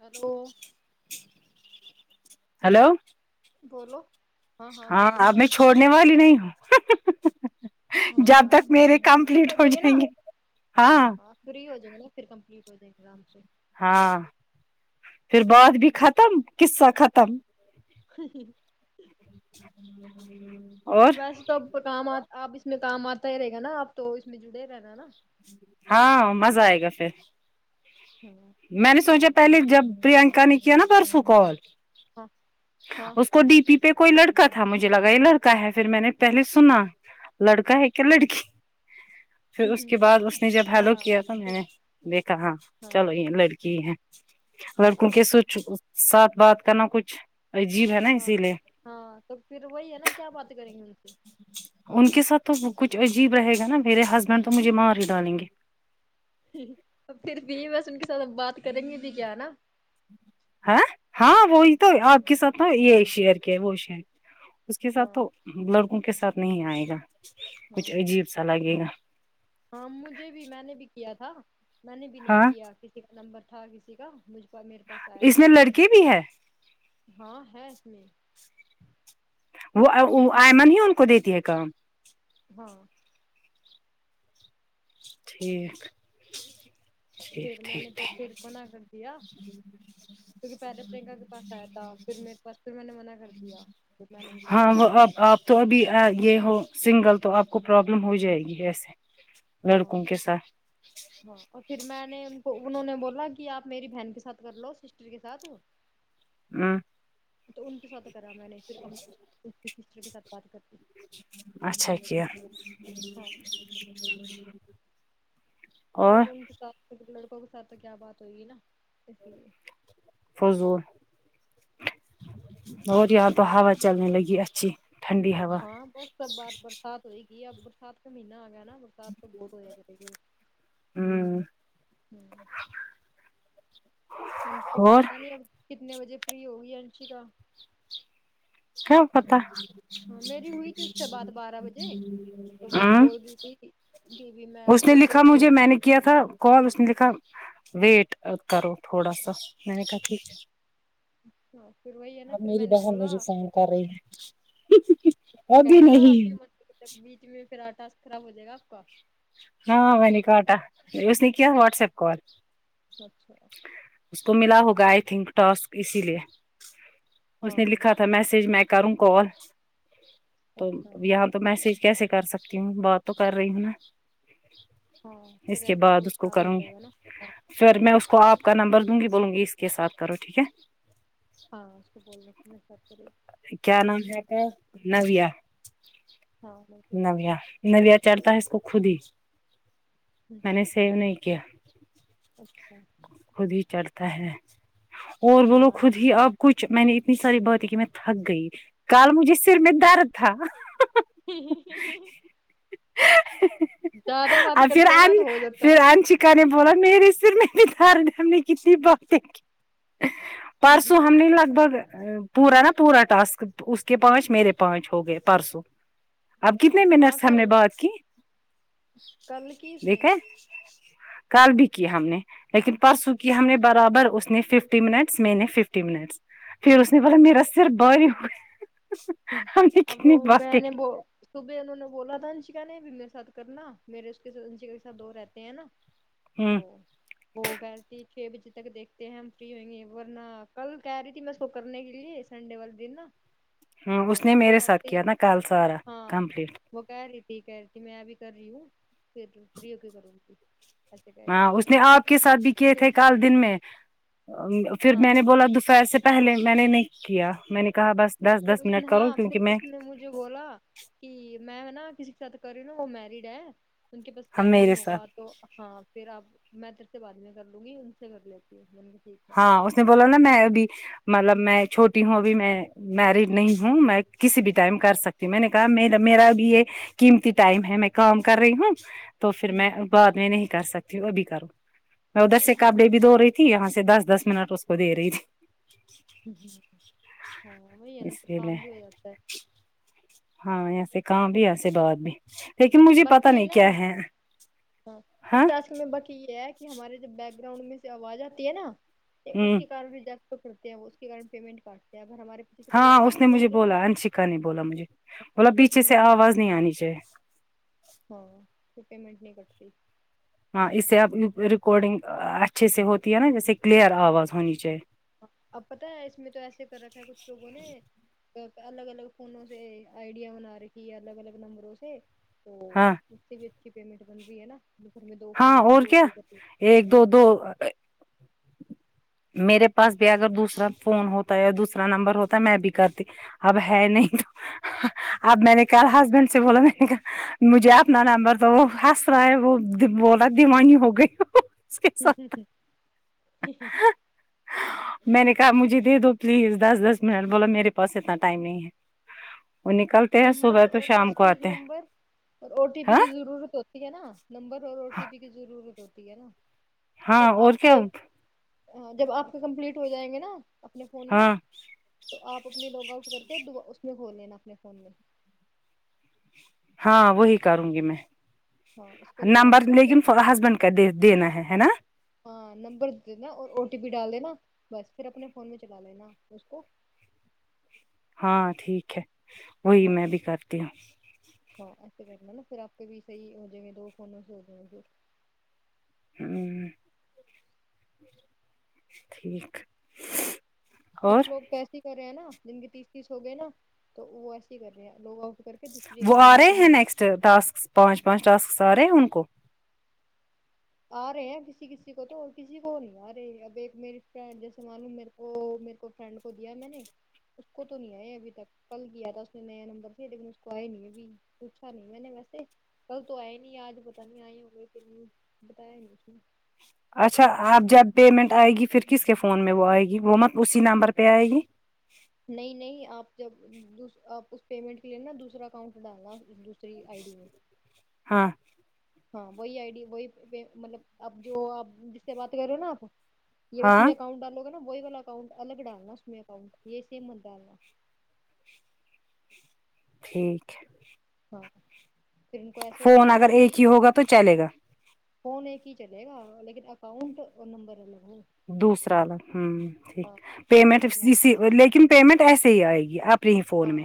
hello hello بولو ہاں اب میں چھوڑنے والی نہیں ہوں ہاں جب ہاں تک میرے کمپلیٹ ہو جائیں گے ہاں فری ہو جائیں گا نا پھر کمپلیٹ ہو جائیں گا آرام سے ہاں پھر بعد بھی ختم قصہ ختم ہا ہ ویسے تو کام آ آپ اس میں کام آتا ہی رہے گا نا آپ تو اس میں جڑے ہی رہنا ہے نا ہاں مزہ آئے گا پھر ہاں میں نے ساتھ کام سوچا پہلے جب پرینکا نے کی نہ پرسوں کال ہآ اس کو ڈی پی پہ کوئی لڑکا تھا مجھے لگا یہ لڑکا ہے پھر میں نے پہلے سنا لڑکا ہے کیا لڑکی ناقابل سماعت پھر اس کے بعد اس نے جب ہیلو کیا تو میں نے دیکھا ہاں چلو یہ لڑکی ہی ہے لڑکوں کے سوچ ساتھ بات کرنا کچھ عجیب ہے نا ہاں اسی لیے ہاں تو پھر وہی ہے نا کیا بات کریں گے ان سے ان کے ساتھ تو وہ کچھ عجیب رہے گا نا میرے ہسبینڈ تو مجھے ماں اور ہی ڈالیں گے ا پھر بھی بس ان کے ساتھ بات کریں گی بھی کیا نا ہ ہاں وہی تو آپ کے ساتھ ن ہاں یہ شہئر کے ہے وہ شر اس کے ساتھ ہاں تو لڑکوں کے ساتھ نہیں آئے گا ہاں کچھ عجیب سا لگے گا ہاں مجھے بھی میں نے بھی کیا تھا میں نے بھی نہیں ہاں کیا کسی کا نمبر تھا کسی کا مجھ پر میرے پاس آیا اس تھا میں لڑکے بھی ہے ہاں ہے اس میں وہ آئمن ہی ان کو دیتی ہے کام ہاں ٹھیک ٹھیک پھر میں نے ٹھیک تو ٹھیک پھر منا کر دیا کیونکہ پہلے پرینکا کے پاس آیا تھا پھر میرے پاس پھر میں نے منع کر دیا پھر میں نہیں ہاں کرتی وہ اب آپ تو ابھی یہ ہو سنگل تو آپ کو پرابلم ہو جائے گی ایسے ہاں لڑکوں کے ساتھ ہاں اور پھر میں نے ان کو انہوں نے بولا کہ آپ میری بہن کے ساتھ کر لو سسٹر کے سات ناقابل سماعت ہ تو ان کے ساتھ کرا میں نے پھر کم کے سسٹر کے ساتھ بات کر دی اچھا کیا ہاں اور ان کے ساتھ م لڑکوں کے ساتھ تو کیا بات ہو گی نا اسی لیے فضول اور یہاں تو ہوا چلنے لگی اچھی ٹھنڈی ہوا ہاں بس س بار برسات ہو گی اب برسات کا مہینہ آ گیا نا برسات تو بہت ہو جائے گ ہ ہوں انشکا اور پتا نہیں اب کتنے بجے فری ہوگی انشکا کیا پتا ہاں میری ہوئی تھی اس کے بعد بارہ بجے تو وہ ہ کول گل گئی تھی جی جی میں اس آپ نے کو ش لکھا مجھے میں نے کیا تھا کال اس نے لکھا ویٹ کرو تھوڑا سا میں نے کہا ٹھیک ہے اچھا پھر وہی ہے نا اب پھر میری میں نے بہن بولا مجھے فون کر رہی اس ہے کو کہہ ابھی دینبھی نہیں مطل بیچ میں پھر آٹا خراب ہو جائے گا آپ کا ہاں ونی کااٹا اس نے کی واٹس ایپ کال [unintelligible] اچھا اس کو ملا ہوگا آئی تھنک ٹاسک اسی لیے اس نے ہاں لکھا تھا س میسیج میں کروں کال تو اچھا یہ تو میسج کیسے کر سکتی ہوں بات تو کر رہی ہوں ہاں اس پھر کے ایسے بعد کال اس کو خراب ہو کروں جائے گا نا پھر میں اس کو آپ کا نمبر دوں گی بولوں گی اس کے ساتھ کرو ٹھیک ہے ہاں اس کو بول دو کی میسج کرے کیا نام ہے آپ کا نویا ہاں میں کیا نویا نویا چڑھتا ہے اس کو خود ہی ہم میں نے سیو نہیں کیا اچھا خود ہی چڑھتا ہے اور بولو ہاں خود ہی اب کچھ میں نے اتنی ساری باتیں کی میں تھک گئی کل مجھے سر میں درد تھا زیادہ بات کرتے ہیں نا تو ہو جاتا ہے نا کرنے بولا میرے سر میں درد ہے ہم نے کتنی باتیں کی پرسوں ہم نے لگ بول رے پورا نا پورا ٹاسک اس کے پانچ میرے پانچ ہو گئے پرسوں اب ہاں کتنے ہاں منٹس ہم کل نے بات کی کل کی اس نے دیکھیں کل بھی کیا ہم نے لیکن پرسوں کی ہم نے برابر اس نے ففٹی منٹس میں نے ففٹی منٹس پھر اس نے بولا میرا سر بھاری ہویا اب وہ میں نے بو صبح انہوں نے بولا تھا انشکا نے بھی میرے ستھ کرنا میرے اس کے سھ انشکا کے سات دو رہتے ہیں نا ہوں تو وہ کہہ رہی تھی چھ بجے تک دیکھتے ہیں ہم فری ہوئیں گے ورنہ کل کہہ رہی تھی میں اس کو کرنے کے لیے سنڈے والے دن نا ہاں تو اس نے وہ میرے ساتھ کہتی کیا نا کل سارا ہاں کمپلیٹ وہ کہہ رہی تھی کہہ رہی تھی میں ابھی کر رہی ہوں پھر فری ہو کے کرونگی ہاں اس نے آپ کے ساتھ بھی کیے پھر تھے کال دن میں پھر ہاں میں ہاں نے بولا دوپہر سے پہلے میں نے نہیں کیا میں نے کہا بس دس پھر دس اس منٹ نے کرو ہاں پھر کیونکہ میں اس نے مجھے بولا کہ میں نا کسی کے ساتھ کر رہی ہوں وہ میریڈ ہے ان کے پاس ہم ٹائم نہیں میرے ساتھ ہوگا تو ہاں پھر آپ میں تیرے سے بعد میں کر لوں گی ان سے کر لیتی ہو میں نے کہا ٹھیک ہے ہاں اس نے بولا نا میں ابھی مطلب میں چھوٹی ہوں ابھی میں میریڈ نہیں ہوں میں کسی بھی ٹائم کر سکتی میں نے کہا میڈم میرا بھی یہ قیمتی ٹائم ہے میں کام کر رہی ہوں تو پھر میں بعد میں نہیں کر سکتی ابھی کروں میں ادھر سے کپڑے بھی دھو رہی تھی یہاں سے دس دس منٹ اس کو دے رہی تھی ھمم ھمم ہاں وہی ہے تھی نا اس پھر لیے کام میں بھی ہو جاتا ہے ہاں یاسے کام بھی ایسے بات بھی لیکن مجھے پتا باقی یہ نہیں نا کیا ہے اس ہاں ٹاسک میں باقی یہ ہے کہ ہمارے جب بیک گراؤنڈ میں سے آواز آتی ہے نا تو اس ہوں کے [unintelligible] پھر کرتے ہیں وہ اس کے کارن پیمنٹ کاٹتے ہیں وہ ہمارے پیچھے سے کوئی ہاں آواز اس نے نہیں آئے مجھے گی نا بولا انشکا نے بولا مجھے بولا پھر پیچھے سے پیمنٹ آواز نہیں آنی چاہیے ہاں تو پیمنٹ نہیں کٹتی ہاں اس سے اپنی ریکارڈنگ اچھے سے ہوتی ہے نا جیسے کلیئر آواز ہونی چاہیے اب پتہ ہے اس میں تو ایسے کر رکھا ہے کچھ لوگوں نے الگ الگ فونوں سے آئیڈیا بنا رکھی ہے الگ الگ نمبروں سے تو ہاں اس سے بھی اچھی پیمنٹ بن رہی ہے نا جو گھر میں دو ہاں فون ہے تو اور دو کیا سے کرتے ایک دو دو میرے پاس بھی اگر دوسرا فون ہوتا ہے یا دوسرا نمبر ہوتا میں بھی کرتی اب ہے نہیں تو اب میں نے کہا ہسبینڈ سے بولا میں نے کہا مجھے اپنا نمبر تو وہ ہنس رہا ہے وہ بولا دیوانی ہو گئی وہ ہ ہ ہ ه ہی ہی میں نے کہا مجھے دے دو پلیز دس دس منٹ بو لا میرے پاس اتنا ٹائم نہیں ہے وہ نکلتے ہیں نمبر صبح تو اور شام بس کو پھر آتے ہیں نمبر اور او ٹی پی ہاں کی ضرورت ہو ٹھیک ہے نا نمبر اور او ٹی پی کی ضرورت ہوتی ہے نا ہاں تب اور آپ کیا کے ہاں جب آپ کے کمپلیٹ ہو جائیں گے نا اپنے فون میں ہاں تو آپ اپنے لوگ بول کے اس میں کھول لینا اپنے فون میں ہاں وہی کروں گی میں ہاں اس کو لوگ نمبر آؤٹ کر کے لیکن ہسبینڈ کا د دینا ہے ہے نا ہاں نمبر دینا اور او ٹی پی ڈال دینا بس پھر اپنے فون میں چلا لینا اس کو ہاں ٹھیک ہے وہی ہاں میں ابھی کرتی ہوں ہاں ایسے کرنا ہے نا پھر آپے بھی صحیح ہو جائ گ دو فونز ہو جائیں گ ہوں ٹھیک اور کچھ لوگ تو ایسے ہی کر رہے ہیں نا جن کے تیس تیس ہو گئے نا تو وہ ایسے ہی کر رہے ہیں لوگ آؤٹ کر کے دوسرے وہ آ رہے دوسرے ہیں نمبر نیکسٹ ٹاسک پانچ پانچ ٹاسک آ رہے ہیں ان کو آ رہے ہیں کسی کسی کو تو اور کسی کو نہیں آ رہی اب ایک میری فرینڈ جیسے معلوم میریکو وہ میرے کو فرینڈ کو دیا ہیں میں نے اس کو تو نہیں آئے ابھی تک کل کیا تھا اس نے نیا نمبر لیکن اس کو آئے نہیں ابھی پوچھا نہیں میں نے ویسے کل تو آئے نہیں آج پتا نہیں آئے ہو گئے بتایا نہیں اس نے اچھا آب جب پیمنٹ آئے گی پھر کس کے فون میں وہ آئے گی وہ مت اسی نمبر پہ آئے گی نہیں نہیں آپ جب آپ اس پیمنٹ کے لیے نا دوسرا اکاؤنٹ ڈالنا دوسری آئی ڈی میں ہاں ہاں وہی آئیڈی وہی مطلب آب جو آپ جس سے بات کر رہے ہو نا آپ یہ اس ہاں میں اکاؤنٹ ڈالو گا نا وہی والا اکاؤنٹ الگ ڈالنا اس میں اکاؤنٹ یہ سیم مت ڈالنا ٹھیک ہے ہاں پھر ان کو ایسا ہو جاتا فون ہے نا اگر ابھی ایک ہی ہوگا تو چلے گا فون ایک ہی چلے گا لیکن اکاؤنٹ نمبر الگ ہوگا دوسرا الگ ہوں ٹھیک ایسے پیمنٹ کرنا اسی لیکن پیمنٹ ایسے ہی آئے گی اب برن فون میں ہاں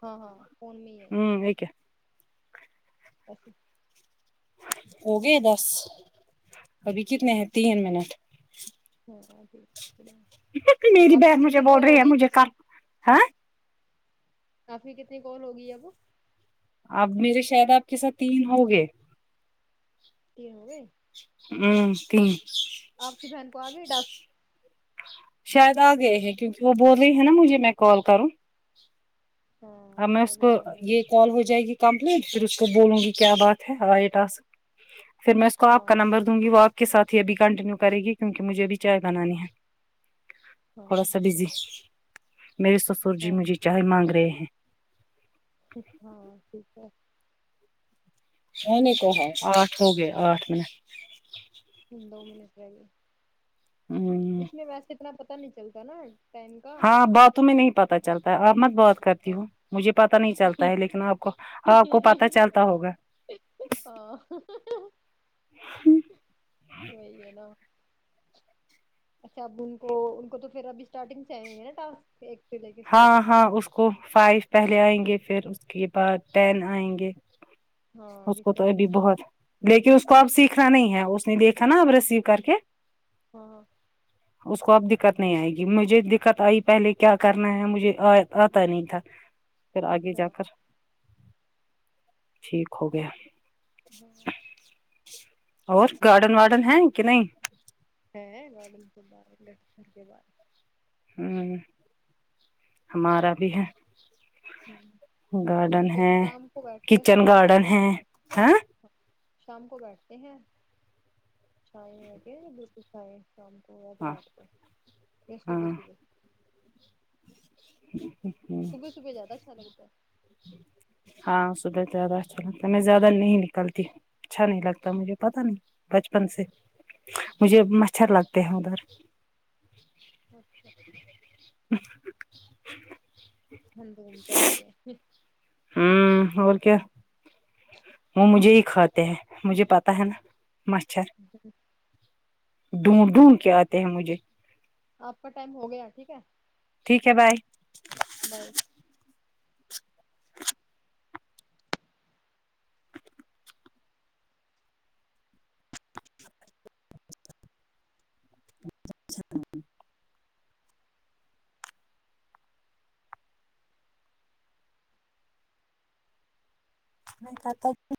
ہاں ہاں فون میں ہی آئیگی ہ یہ کیا [unintelligible] ہو گئے دس ابھی کتنے ہیں تین منٹ ہاں جھ میری بہن مجھے بول رہی ہے ہوگی مجھے کر ہ کافی کتنی کال ہوگی اب اب میرے شاید آپ کے ساتھ تین ہوگئے تین ہوگئے ہ تین آپ کی بہن کو آ گئی ٹاسک شاید آ گئے ہیں کیوںکہ وہ بول رہی ہے نا مجھے میں کال کروں ہاں تو میں آ اس کو گئی ہوں یہ کال ہو جائے گی کمپلیٹ پھر اس کو بولوں گی کیا گے بات ہے آائٹ آس پھر میں اس کو آپ کا ہاں نمبر وں گی وہ آپ کے ساتھ ہی ابھی کنٹینیو کرے گی کیونک مجھے ابھی چائے بنانی ہے ہاں تھوڑا سا اچھی بزی بات میرے سسر جی ہاں مجھے چائے مانگ رہے ہیں ہاں ٹھیک ہے نہیں نہیں کہ آٹھ ہو گئے آٹھ منٹ [unintelligible] دو منٹ رہگیے ہوں اس میں ویسے اتنا پتا نہیں چلتا ناں ٹائم کا ہاں باتوں میں نہیں پتا چلتا ہے آپ مت بات کرتی ہوں مجھے پتا نہیں چلتا ہے لیکن آپ کو آپ کو پتہ چلتا ہوگا ہاں وہی ہے ناں اچھا اب ان کو ان کو تو پھر ابھی اسٹارٹنگ سے آئیں گے ناں ٹاسک ایک سے لے کے ہاں اسٹارٹنگ سے ہاں اس کو فائیو پہلے آئیں گے پھر اس کے بعد ٹین آئیں گے ہاں اس کو تو ریفریش ابھی ہوگی بہت لیکن اس کو اب سیکھنا نہیں ہے اس نے دیکھا نا اب ریسیو کر کے ہاں اس کو اب دقت نہیں آئے گی مجھے دقت آئی پہلے کیا کرنا ہے مجھے آتا نہیں تھا پھر آگے جا اچھا کر ٹھیک ہو گیا ہاں اور گارڈن وارڈن ہیں کہ نہیں ہے گارڈن کے باہر لیفٹ کے بار ہوں ہمارا بھی ہے ہوں گارڈن ہم تو ہے شام کو بیٹھتے ہیں اس کچن میں شام گارڈن کو ہے ہاں شام کو بیٹھتے ہیں چائے آئی ہیں بالکل چائے شام کو یا تو ہاں رات کو یا ہاں صبح صبح ہ صبح صبح ذیادہ اچھا لگتا ہے ہاں صبح زیادہ اچھا لگتا میں زیادہ نہیں نکلتی اچھا نہیں لگتا مجھے پتہ نہیں بچپن سے مجھے مچھر لگتے ہیں ادھر اچھا [unintelligible] ہم گھومتے رہتے ہیں ہمم اور کیا وہ مجھے ہی کھاتے ہیں مجھے پتہ ہے نا مچھر ڈھونڈ ہاں ڈھونڈ کے آتے ہیں مجھے آپ کا ٹائم ہو گیا ٹھیک ہے ٹھیک ہے بھائی بائے [unintelligible]